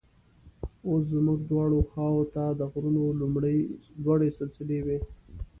اوس زموږ دواړو خواو ته د غرونو لوړې سلسلې وې.